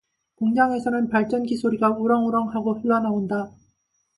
공장에서는 발전기 소리가 우렁우렁 하고 흘러나온다.